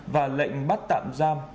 và lệnh bắt tạm giam